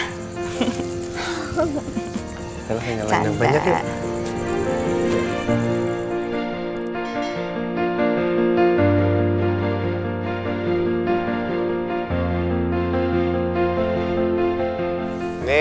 kita nyalain yang banyak ya